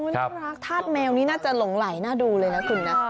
ภาษาแมวนี้น่าจะหลงไหลน่าดูเลยนะคุณนะ